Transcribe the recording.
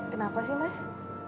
kenapa sih mas